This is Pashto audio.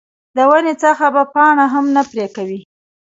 د ونې څخه به پاڼه هم نه پرې کوې.